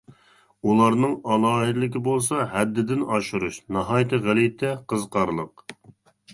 ئۇلارنىڭ ئالاھىدىلىكى بولسا ھەددىدىن ئاشۇرۇش، ناھايىتى غەلىتە، قىزىقارلىق.